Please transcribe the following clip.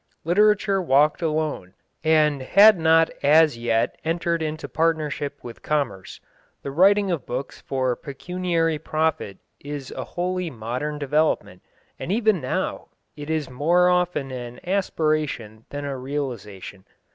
Literature walked alone, and had not as yet entered into partnership with commerce. The writing of books for pecuniary profit is a wholly modern development, and even now it is more often an aspiration than a realisation.